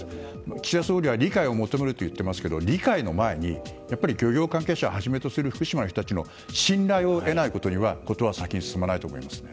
岸田総理は理解を求めると言っていますが理解の前に漁業関係者はじめとする福島の人たちの信頼を得ないと事は先に進まないと思いますね。